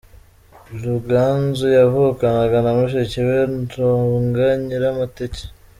Ruganzu yavukanaga na mushiki we Robwa Nyiramateke.